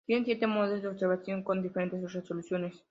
Tiene siete modos de observación con diferentes resoluciones.